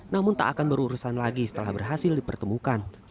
namun tak akan berurusan lagi setelah berhasil dipertemukan